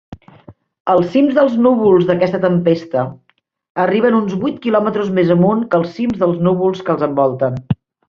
Els cims dels núvols d'aquesta tempesta arriben uns vuit kilòmetres més amunt que els cims dels núvols que els envolten.